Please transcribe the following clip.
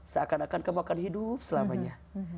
seakan akan kamu akan hidup selamanya